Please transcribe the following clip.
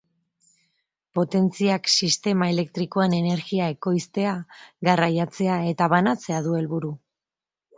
Potentziak sistema elektrikoan energia ekoiztea, garraiatzea eta banatzea du helburu.